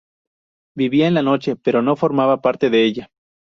Vivía en la noche pero no formaba parte de ella.